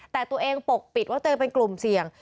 แต่ตัวเองปกปิดว่าตัวเองเป็นกลุ่มเสี่ยง